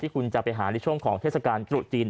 คุณจะไปหาในช่วงของเทศกาลตรุษจีน